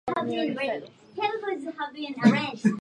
以てセーターを着ているように見せかけていたのです